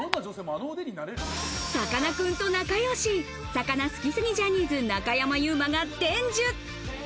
さかなクンと仲良し、魚好きすぎジャニーズ・中山優馬が伝授。